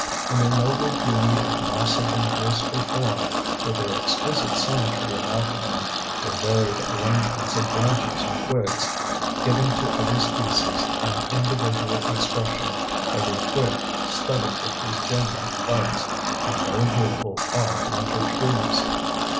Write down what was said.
In their noble beauty of massive and graceful form, with their exquisite symmetry of outline, their varied arrangement of branches and twigs, giving to every species an individual expression, every twig studded with these gem like buds, how very beautiful are the winter trees!